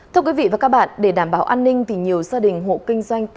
thưa quý vị và các bạn để đảm bảo an ninh thì nhiều gia đình hộ kinh doanh